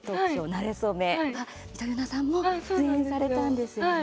なれそめ」は、みとゆなさんも出演されたんですよね。